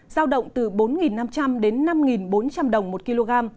giao động từ bốn năm trăm linh đến năm bốn trăm linh đồng một kg